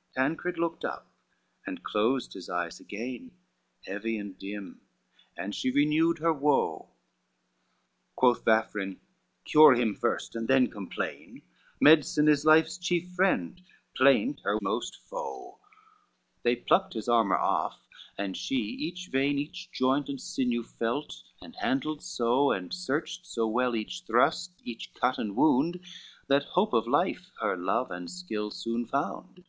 CXI Tancred looked up, and closed his eyes again, Heavy and dim, and she renewed her woe. Quoth Vafrine, "Cure him first, and then complain, Medicine is life's chief friend; plaint her most foe:" They plucked his armor off, and she each vein, Each joint, and sinew felt, and handled so, And searched so well each thrust, each cut and wound, That hope of life her love and skill soon found.